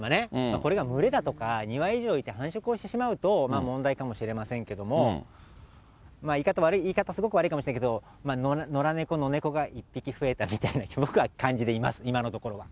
これが群れだとか、２羽以上いて繁殖をしてしまうと問題かもしれませんけれども、言い方すごく悪いかもしれないですけれども、野良猫、野猫が１匹増えたみたいな、僕は感じでいます、今のところは。